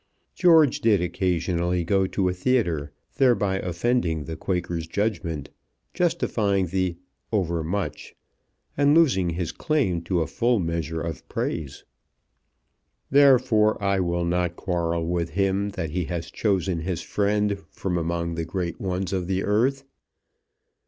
George did occasionally go to a theatre, thereby offending the Quaker's judgment, justifying the "overmuch," and losing his claim to a full measure of praise. "Therefore I will not quarrel with him that he has chosen his friend from among the great ones of the earth.